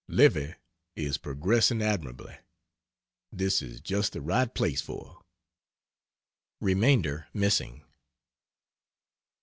Livy is progressing admirably. This is just the place for her. [Remainder missing.